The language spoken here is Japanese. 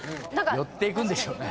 寄っていくんでしょうね